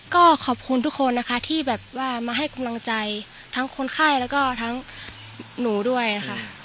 ก็ขอบคุณทุกคนนะคะที่แบบว่ามาให้กำลังใจทั้งคนไข้แล้วก็ทั้งหนูด้วยนะคะ